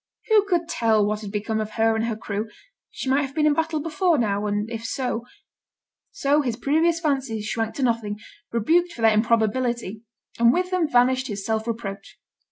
Who could tell what had become of her and her crew? she might have been in battle before now, and if so So his previous fancies shrank to nothing, rebuked for their improbability, and with them vanished his self reproach.